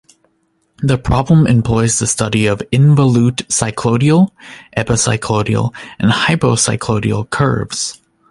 The problem employs the study of involute cycloidal, epicycloidal and hypocycloidal curves.